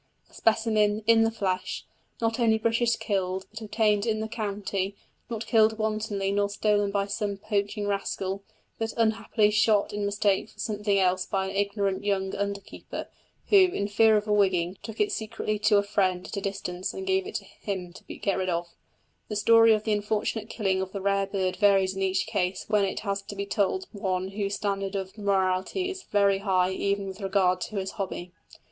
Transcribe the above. a specimen "in the flesh," not only "British killed" but obtained in the county; not killed wantonly, nor stolen by some poaching rascal, but unhappily shot in mistake for something else by an ignorant young under keeper, who, in fear of a wigging, took it secretly to a friend at a distance and gave it to him to get rid of. The story of the unfortunate killing of the rare bird varies in each case when it has to be told to one whose standard of morality is very high even with regard to his hobby.